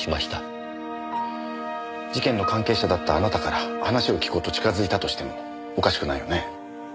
事件の関係者だったあなたから話を聞こうと近づいたとしてもおかしくないよね。